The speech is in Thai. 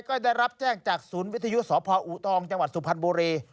ก็ได้รับแจ้งจากศูนย์วิทยุสพอูทองจังหวัดสุพรรณบุรี